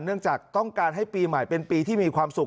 เนื่องจากต้องการให้ปีใหม่เป็นปีที่มีความสุข